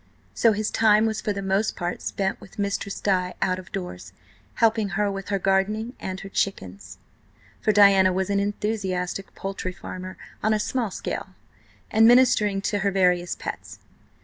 So his time was for the most part spent with Mistress Di out of doors, helping her with her gardening and her chickens–for Diana was an enthusiastic poultry farmer on a small scale–and ministering to her various pets.